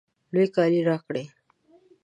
لوی کالی راکړئ